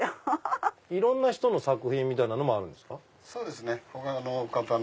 いろんな人の作品みたいなのもあるんですか？